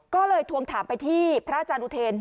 ก็เลยทวงถามไปที่พระอาจารย์อุเทน